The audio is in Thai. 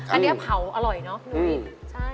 อันนี้เผาอร่อยเนอะ